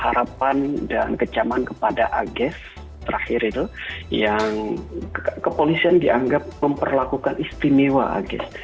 harapan dan kecaman kepada ages terakhir itu yang kepolisian dianggap memperlakukan istimewa agis